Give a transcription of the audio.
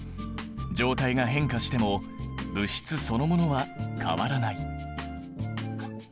状態が変化しても物質そのものは変わらない。